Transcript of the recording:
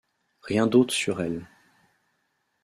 Rien d’autre sur elle.